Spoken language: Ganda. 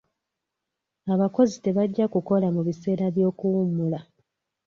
Abakozi tebajja kukola mu biseera by'okuwummula.